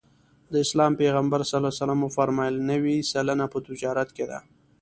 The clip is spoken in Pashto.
د اسلام پیغمبر ص وفرمایل نوې سلنه په تجارت کې ده.